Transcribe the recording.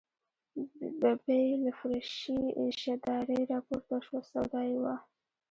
ببۍ له فرشي اشدارې راپورته شوه، سودا یې وه.